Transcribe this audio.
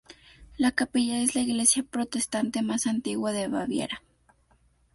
La capilla es la iglesia protestante más antigua de Baviera.